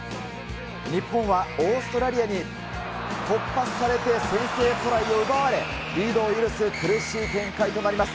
日本はオーストラリアに突破されて、先制トライを奪われ、リードを許す苦しい展開となります。